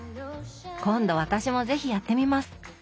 今度私も是非やってみます！